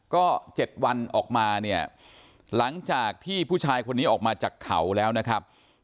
ก็๗วันออกมาเนี่ยหลังจากที่ผู้ชายคนนี้ออกมาจากเขาแล้วนะครับ